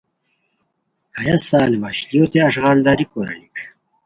ہیہ سال وشلیو تے اݱغالداری کوریلیک